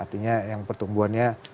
artinya yang pertumbuhannya